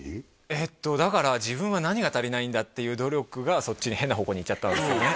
えっとだから自分は何が足りないんだっていう努力がそっちに変な方向に行っちゃったわけですよね